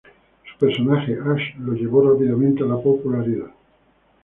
Su personaje, Asch, lo llevó rápidamente a la popularidad.